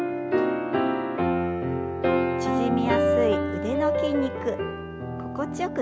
縮みやすい腕の筋肉心地よく伸ばしていきましょう。